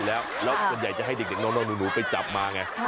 แล้วส่วนใหญ่จะให้เด็กน้องหนูไปจับมาไง